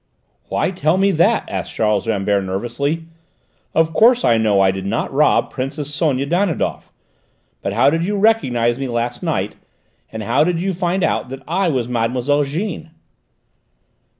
"Why tell me that?" asked Charles Rambert nervously. "Of course I know I did not rob Princess Sonia Danidoff; but how did you recognise me last night, and how did you find out that I was Mademoiselle Jeanne?"